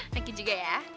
thank you juga ya